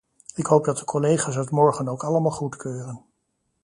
Ik hoop dat de collega's het morgen ook allemaal goedkeuren.